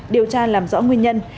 điều tra làm rõ nguyên nhân